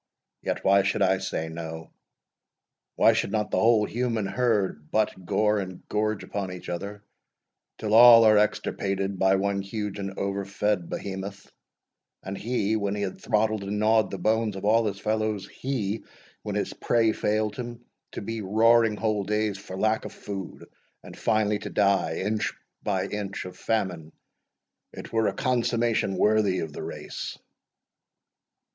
Yet why should I say so? Why should not the whole human herd butt, gore, and gorge upon each other, till all are extirpated but one huge and over fed Behemoth, and he, when he had throttled and gnawed the bones of all his fellows he, when his prey failed him, to be roaring whole days for lack of food, and, finally, to die, inch by inch, of famine it were a consummation worthy of the race!"